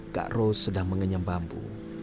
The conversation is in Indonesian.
kak ros sedang mengenyam bambu